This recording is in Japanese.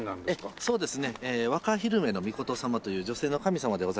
そうですね。